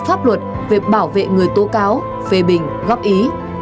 các quy định của đảng và pháp luật về bảo vệ người tố cáo phê bình góp ý